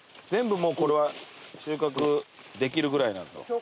全部もうこれは収穫できるぐらいなんですか？